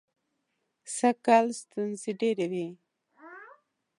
سږکال ستونزې ډېرې وې.